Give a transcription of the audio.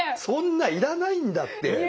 そんないらないんだって。